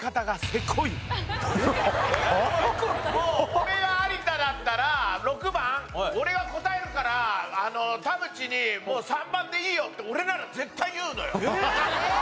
俺が有田だったら６番俺が答えるから田渕にもう３番でいいよって俺なら絶対に言うのよ。